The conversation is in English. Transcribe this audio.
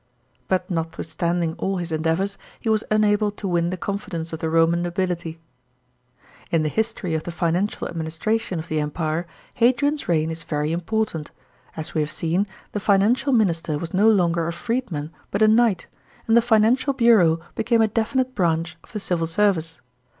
* But notwithstanding all his en deavours, he was unable to win the confidence of the Eoman nobility. § 25. In the history of the financial administration of the Empire Hadrian's reign is very important. As we have seen, the financial minister was no longer a freedman but a knight, and the financial bureau became a definite branch of the civil service.